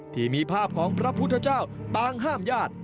ที่มีภาพของพระพุทธเจ้าต่างห้ามญาติ